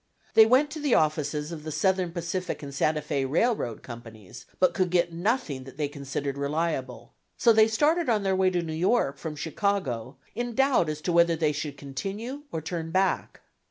They went to the offices of the Southern Pacific and the Santa Fe Railroad companies, but could get nothing that they considered reliable. So they started on their way to New York from Chicago in doubt as to whether they should continue or turn back.